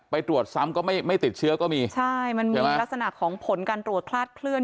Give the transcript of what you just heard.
ไปตรวจซ้ำก็ไม่ไม่ติดเชื้อก็มีใช่มันมีลักษณะของผลการตรวจคลาดเคลื่อ